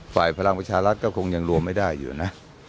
พลังประชารัฐก็คงยังรวมไม่ได้อยู่นะ